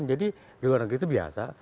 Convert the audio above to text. jadi di luar negeri itu biasa